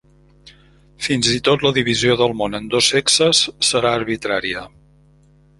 Fins i tot la divisió del món en dos sexes serà arbitrària.